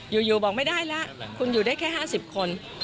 อยู่บอกไม่ได้แล้วคุณอยู่ได้แค่๕๐คน